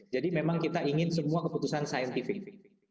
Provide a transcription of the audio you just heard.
jadi memang kita ingin semua keputusan scientific